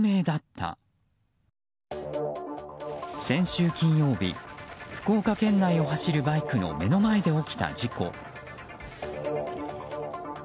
先週金曜日福岡県内を走るバイクの目の前で起きた事故。